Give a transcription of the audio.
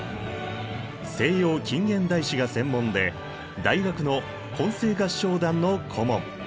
西洋近現代史が専門で大学の混声合唱団の顧問。